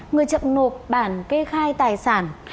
người chậm nộp bản kê khai tài sản